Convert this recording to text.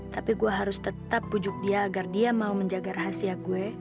tapi gue harus tetap pujuk dia agar dia mau menjaga rahasia gue